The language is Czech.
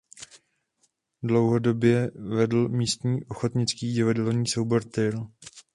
Dlouhodobě vedl místní ochotnický divadelní soubor Tyl.